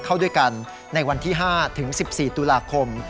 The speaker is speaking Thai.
เข้าด้วยกันในวันที่๕ถึง๑๔ตุลาคม